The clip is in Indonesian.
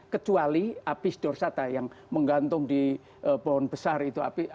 kecuali apis dorsata yang menggantung di pohon besar itu